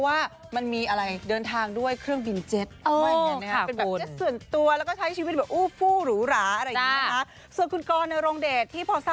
ฮะฮะไม่เศรีย์เลยค่ะจริงไม่ได้คิดมากเลยค่ะ